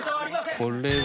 これは。